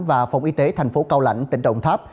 và phòng y tế tp cao lãnh tỉnh đồng tháp